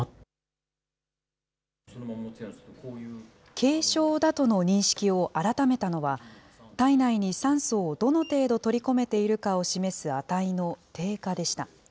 軽症だとの認識を改めたのは、体内に酸素をどの程度取り込めているかを示す値の低下でした。